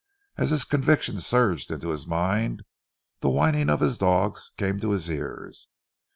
As this conviction surged into his mind the whining of his dogs came to his ears.